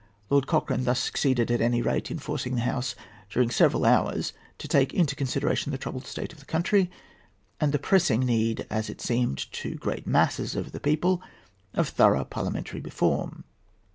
Lord Cochrane thus succeeded, at any rate, in forcing the House during several hours to take into consideration the troubled state of the country, and the pressing need, as it seemed to great masses of the people, of thorough parliamentary reform.